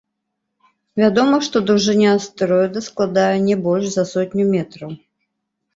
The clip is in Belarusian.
Вядома, што даўжыня астэроіда складае не больш за сотню метраў.